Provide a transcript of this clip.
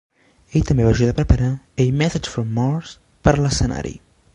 Ell també va ajudar a preparar "A Message From Mars" per l'escenari.